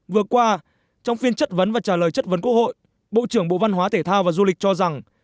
vừa qua trong phiên chất vấn và trả lời chất vấn quốc hội bộ trưởng bộ văn hóa thể thao và du lịch cho rằng